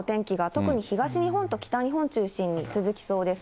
特に東日本と北日本中心に、続きそうです。